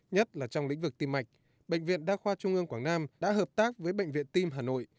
nhất là trong lĩnh vực tim mạch bệnh viện đa khoa trung ương quảng nam đã hợp tác với bệnh viện tim hà nội